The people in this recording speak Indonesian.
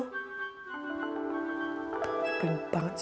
gapain banget sih